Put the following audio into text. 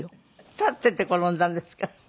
立ってて転んだんですか？